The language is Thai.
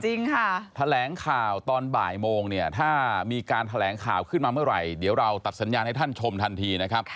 จริงค่ะแถลงข่าวตอนบ่ายโมงเนี่ยถ้ามีการแถลงข่าวขึ้นมาเมื่อไหร่เดี๋ยวเราตัดสัญญาณให้ท่านชมทันทีนะครับ